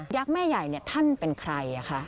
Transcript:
ยักษ์แม่ใหญ่นี่ท่านเป็นใครค่ะ